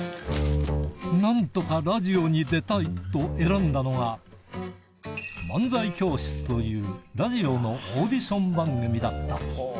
なんとかラジオに出たいと選んだのが、漫才教室というラジオのオーディション番組だった。